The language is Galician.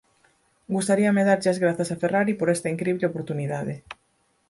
Gustaríame darlle as grazas a Ferrari por esta incrible oportunidade".